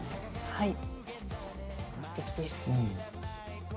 はい。